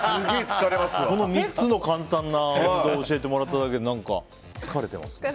３つの簡単な運動を教えてもらっただけで疲れてます。